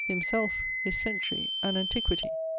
Himself, his century and antiquity.